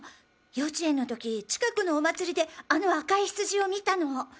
幼稚園のとき近くのお祭りであの赤いヒツジを見たのを。